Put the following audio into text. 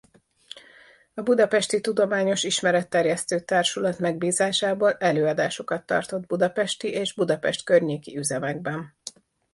A Budapesti Tudományos Ismeretterjesztő Társulat megbízásából előadásokat tartott budapesti és Budapest környéki üzemekben.